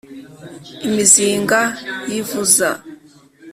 imizinga yivuza